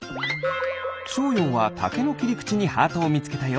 しょうようはタケのきりくちにハートをみつけたよ。